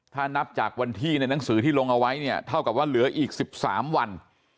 ถ้านับจากวันที่ในหนังสือที่ลงเอาไว้เนี่ยเท่ากับว่าเหลืออีก๑๓วัน